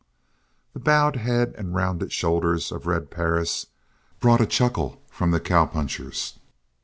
The bowed head and rounded shoulders of Red Perris brought a chuckle from the cowpunchers.